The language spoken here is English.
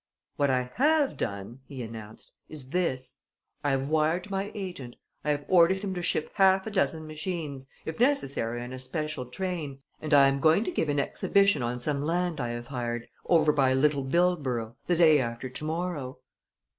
"What I have done," he announced, "is this: I have wired to my agent. I have ordered him to ship half a dozen machines if necessary on a special train and I am going to give an exhibition on some land I have hired, over by Little Bildborough, the day after tomorrow."